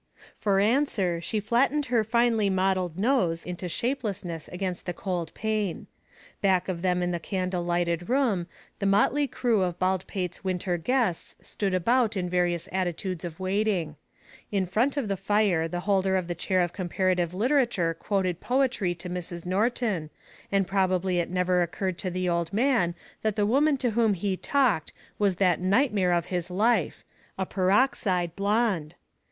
For answer, she flattened her finely modeled nose into shapelessness against the cold pane. Back of them in the candle lighted room, the motley crew of Baldpate's winter guests stood about in various attitudes of waiting. In front of the fire the holder of the Chair of Comparative Literature quoted poetry to Mrs. Norton, and probably it never occurred to the old man that the woman to whom he talked was that nightmare of his life a peroxide blonde.